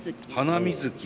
「ハナミズキ」。